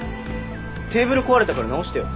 テーブル壊れたから直してよ。